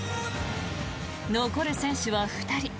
残る選手は２人。